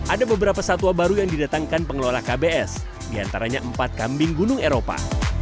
ada beberapa satwa baru yang didatangkan pengelola kbs diantaranya empat kambing gunung eropa